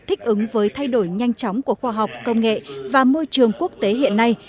thích ứng với thay đổi nhanh chóng của khoa học công nghệ và môi trường quốc tế hiện nay